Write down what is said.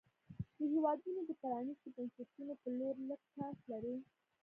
دا هېوادونه د پرانیستو بنسټونو په لور لږ چانس لري.